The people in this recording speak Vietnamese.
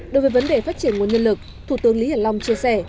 đối với vấn đề phát triển nguồn nhân lực thủ tướng lý hiển long chia sẻ